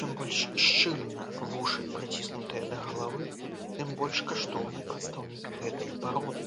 Чым больш шчыльна вушы прыціснутыя да галавы, тым больш каштоўны прадстаўнік гэтай пароды.